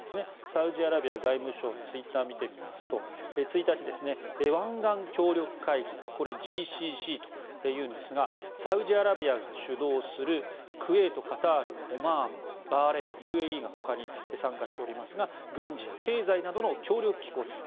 サウジアラビア外務省のツイッターを見てみますと１日、湾岸協力会議・ＧＣＣというんですがサウジアラビアが主導するクウェート、カタールオマーン、バーレーン、ＵＡＥが他に参加しておりますが軍事や経済などの協力機構です。